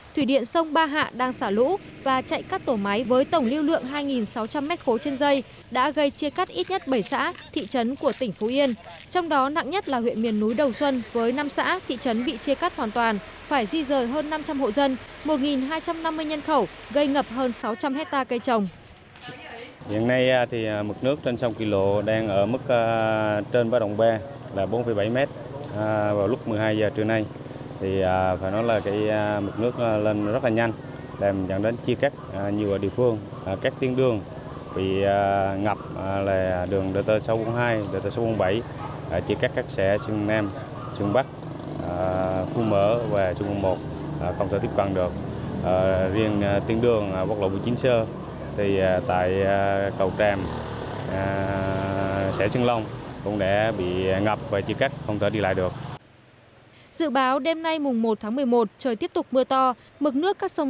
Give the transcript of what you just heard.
thủy điện sông ba hạ đang xả lũ và chạy cắt tổ máy với tổng lưu lượng hai sáu trăm linh m ba trên dây đã gây chia cắt ít nhất bảy xã thị trấn của tỉnh phú yên